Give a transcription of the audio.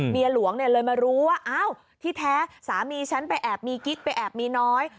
เมียหลวงเลยมารู้ว่าอ้าวที่แท้สามีฉันไปแอบมีกิ๊กไปแอบมีน้อย